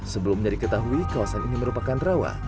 sebelum menjadi ketahui kawasan ini merupakan rawa